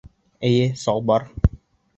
Эйе, салбар.